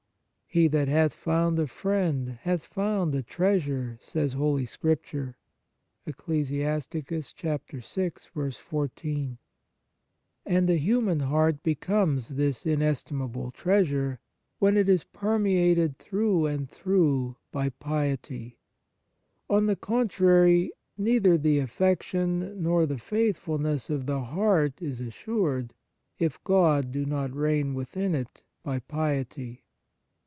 " He that hath found a friend, hath found a treasure,"* says Holy Scripture. And a human heart becomes this inestimable treasure when it is per meated through and through by piety. On the contrary, neither the affection nor the faithfulness of the heart is assured, if God do not reign within it by piety.